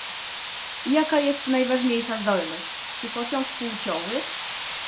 "Jaka jest najważniejsza zdolność: czy pociąg płciowy?"